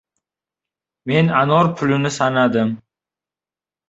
Men anor pulini sanadim.